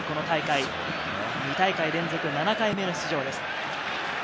２大会連続７回目の出場です。